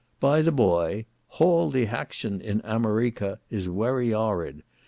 By the boye, hall the hactin in Amareka is werry orrid.